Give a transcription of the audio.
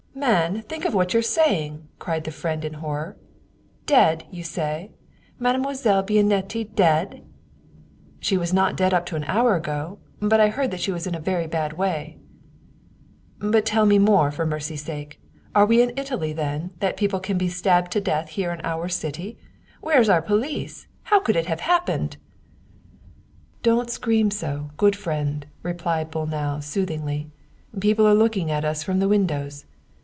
" Man ! Think of what you are saying! " cried the friend in horror. " Dead, you say? Mademoiselle Bianetti dead? "" She was not dead up to an hour ago, but I heard that she was in a very bad way." "But tell me more, for mercy's sake! Are we in Italy, then, that people can be stabbed to death here in our city ? Where is our police ? how could it have happened ?"" Don't scream so, good friend," replied Bolnau sooth ingly, " people are looking at us from the windows.